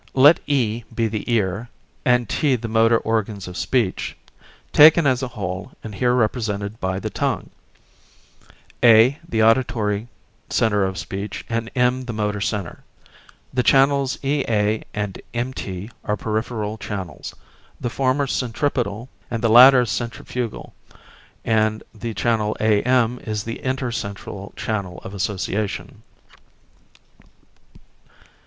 Let E be the ear, and T the motor organs of speech, taken as a whole and here represented by the tongue, A the auditory centre of speech, and M the motor centre. The channels EA and MT are peripheral channels, the former centripetal and the latter centrifugal, and the channel AM is the inter central channel of association.